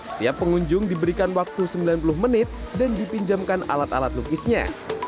setiap pengunjung diberikan waktu sembilan puluh menit dan dipinjamkan alat alat lukisnya